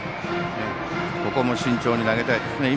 ここも慎重に投げたいですね。